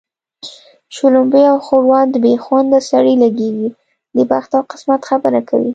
شلومبې او ښوروا د بې خونده سړي لږېږي د بخت او قسمت خبره کوي